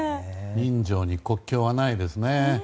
人情に国境はないですね。